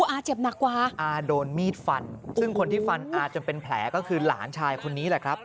อาเจ็บหนักกว่าอาโดนมีดฟันซึ่งคนที่ฟันอาจนเป็นแผลก็คือหลานชายคนนี้แหละครับ